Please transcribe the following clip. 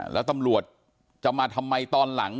แล้วตำรวจจะมาทำไมตอนหลัง